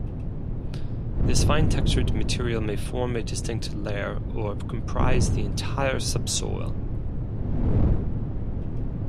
This fine-textured material may form a distinct layer or comprise the entire subsoil.